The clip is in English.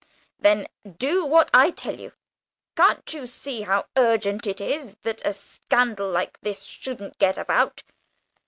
"Then do what I tell you. Can't you see how urgent it is that a scandal like this shouldn't get about?